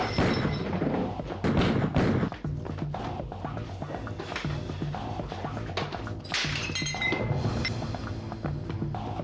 aduh anak gugur